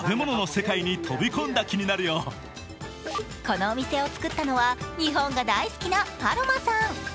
このお店を作ったのは日本が大好きなパロマさん。